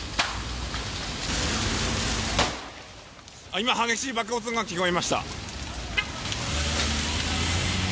今、激しい爆発音が聞こえました。